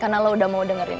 karena lo udah mau dengerin